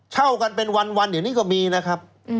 เช่ากันเป็นวันเดี๋ยวนี้ก็มีนะครับ